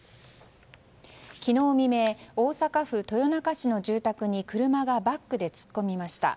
昨日未明、大阪府豊中市の住宅に車がバックで突っ込みました。